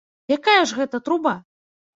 Якая ж гэта труба?